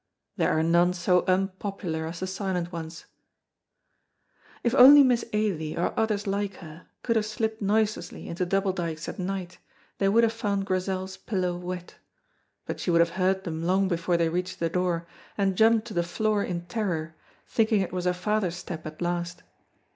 There are none so unpopular as the silent ones. If only Miss Ailie, or others like her, could have slipped noiselessly into Double Dykes at night, they would have found Grizel's pillow wet. But she would have heard them long before they reached the door, and jumped to the floor in terror, thinking it was her father's step at last.